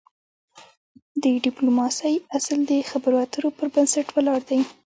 د د ډيپلوماسی اصل د خبرو اترو پر بنسټ ولاړ دی.